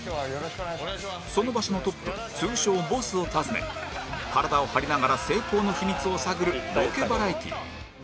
その場所のトップ通称ボスを訪ね体を張りながら成功の秘密を探るロケバラエティー